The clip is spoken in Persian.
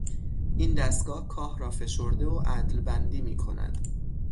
این دستگاه کاه را فشرده و عدلبندی میکند.